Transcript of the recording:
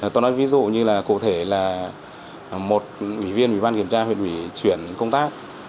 tôi nói ví dụ như là cụ thể là một ủy viên ủy ban kiểm tra huyện ủy chuyển công tác